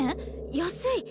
安い！